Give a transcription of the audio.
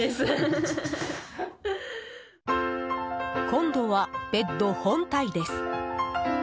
今度は、ベッド本体です。